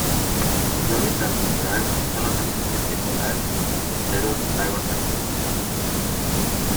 Su hábitat natural son los arrecifes de coral y costeros lagos salinos.